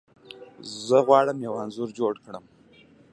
زه غواړم یو انځور جوړ کړم.